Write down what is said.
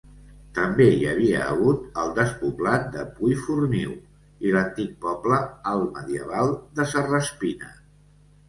També hi havia hagut el despoblat de Puiforniu i l'antic poble, altmedieval, de Serraspina.